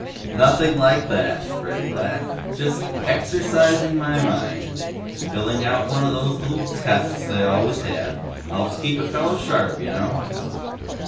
"Nothing like that," Freddy laughed. "Just, exercising my mind. Filling out one of those little tests they always have. Helps keep a fella sharp, you know."